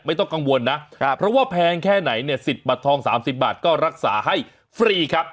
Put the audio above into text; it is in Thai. ไม่ต้องกังวลนะเพราะว่าแพงแค่ไหนเนี่ยสิทธิ์บัตรทอง๓๐บาทก็รักษาให้ฟรีครับ